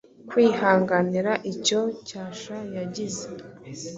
kwihanganira icyo cyasha yagize